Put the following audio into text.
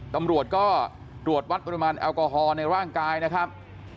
ตำรวจก็ตรวจวัดปริมาณแอลกอฮอลในร่างกายนะครับ